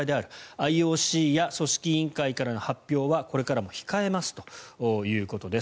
ＩＯＣや組織委員会からの発表はこれからも控えますということです。